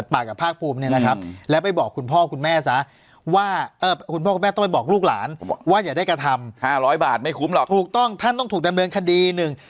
๕๐๐บาทไม่คุ้มหรอกถูกต้องท่านต้องถูกดำเนินคดีหนึ่ง